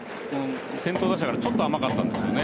先頭打者からちょっと甘かったんですよね